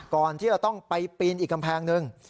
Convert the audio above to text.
ก่อนที่จะต้องไปปีนอีกกำแพงหนึ่ง